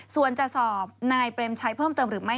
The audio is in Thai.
ส่วนจะสอบนายเปรมชัยเพิ่มเติมหรือไม่